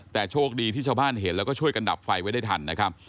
แต่โชคดีที่ชาวบ้านเห็นแล้วก็ช่วยกันดับไฟไว้ได้ทันนะครับ